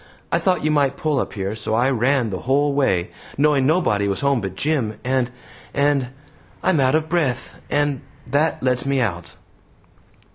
I thought you might pull up here, and so I ran the whole way, knowing nobody was home but Jim, and and I'm out of breath and that lets me out."